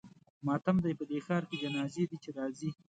ماتم دی په دې ښار کې جنازې دي چې راځي.